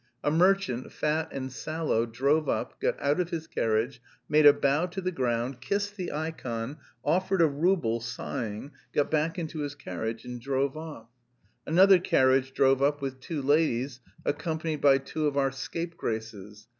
A merchant, fat and sallow, drove up, got out of his carriage, made a bow to the ground, kissed the ikon, offered a rouble, sighing, got back into his carriage and drove off. Another carriage drove up with two ladies accompanied by two of our scapegraces.